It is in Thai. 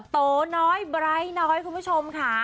โตน้อยไบร์ทน้อยคุณผู้ชมค่ะ